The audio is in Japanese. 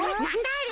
あれ。